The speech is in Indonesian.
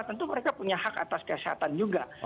tentu mereka punya hak atas kesehatan juga